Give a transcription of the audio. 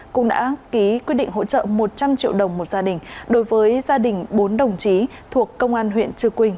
cũng đã ký quyết định hỗ trợ một trăm linh triệu đồng một gia đình đối với gia đình bốn đồng chí thuộc công an huyện chư quynh